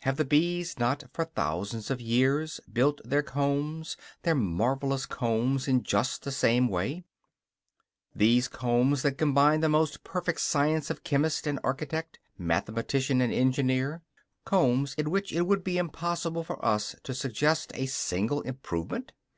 Have the bees not, for thousands of years, built their combs, their marvelous combs, in just the same way; these combs that combine the most perfect science of chemist and architect, mathematician and engineer; combs in which it would be impossible for us to suggest a single improvement?